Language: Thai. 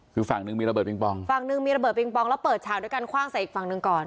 คือฝั่งหนึ่งมีระเบิงปองฝั่งหนึ่งมีระเบิงปองแล้วเปิดฉากด้วยกันคว่างใส่อีกฝั่งหนึ่งก่อน